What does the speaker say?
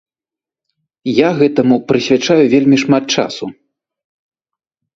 Я гэтаму прысвячаю вельмі шмат часу.